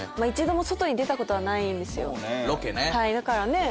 だからねえ。